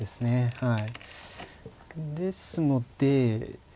はい。